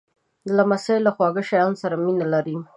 لمسی له خواږه شیانو سره مینه لري.